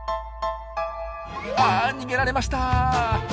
あ逃げられました。